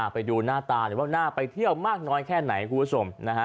ไปดูหน้าตาหนิว่าหน้าไปเที่ยวมากน้อยไงครูสม